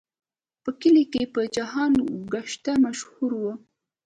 په کلي کې په جهان ګشته مشهور و.